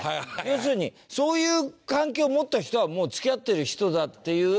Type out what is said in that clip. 要するにそういう関係を持った人はもう付き合ってる人だっていう。